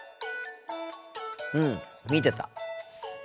うん見てた。